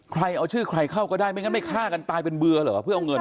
ใครเอาชื่อใครเข้าก็ได้ไม่งั้นไม่ฆ่ากันตายเป็นเบื่อเหรอเพื่อเอาเงิน